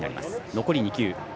残り２球。